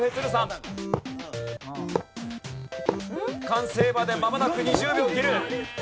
完成までまもなく２０秒切る！